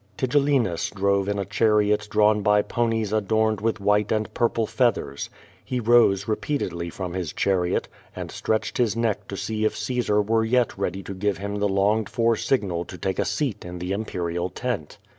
Tigellinus drove in a chariot drawn by ponies adorned with white and purple fea thers. He rose repeatedly from his chariot, and stretched his neck to see if Caesar were yet ready to give him the long ed for signal to take a seat in the imperial tent.